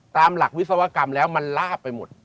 ตามหลักวิศวกรรมแล้วมันลาบไปหมด